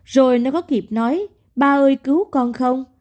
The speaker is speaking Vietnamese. rồi nó có kịp nói ba ơi cứu con không